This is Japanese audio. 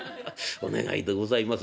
お願いでございます。